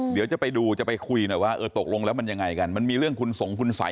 เดี๋ยวจะไปดูจะไปคุยหน่อยว่าเออตกลงแล้วมันยังไงกันมันมีเรื่องคุณสงคุณสัย